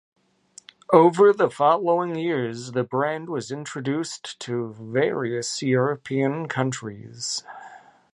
Over the following years, the brand was introduced to various European countries.